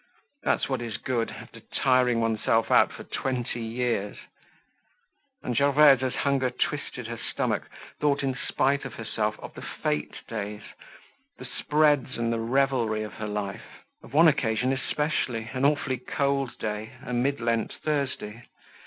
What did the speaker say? That's what is good, after tiring one's self out for twenty years! And Gervaise, as hunger twisted her stomach, thought in spite of herself of the fete days, the spreads and the revelry of her life. Of one occasion especially, an awfully cold day, a mid Lent Thursday.